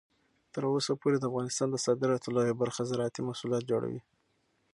تر اوسه پورې د افغانستان د صادراتو لویه برخه زراعتي محصولات جوړوي.